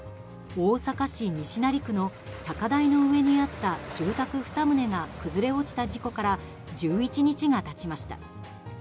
大阪市西成区の高台の上にあった住宅２棟が崩れ落ちた事故から１１日が経ちました。